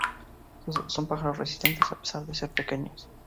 Son pájaros resistentes a pesar de ser pequeños.